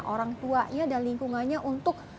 orang tuanya dan lingkungannya untuk